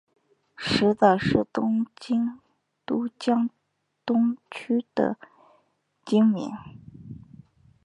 石岛是东京都江东区的町名。